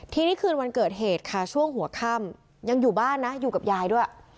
ทีนี้คืนวันเกิดเหตุค่ะช่วงหัวค่ำยังอยู่บ้านนะอยู่กับยายด้วย